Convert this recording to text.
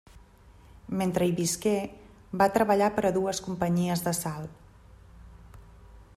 Mentre hi visqué, va treballar per a dues companyies de sal.